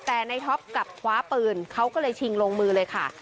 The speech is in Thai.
แต่ในท็อปกลับคว้าปืนเขาก็เลยชิงลงมือเลยค่ะ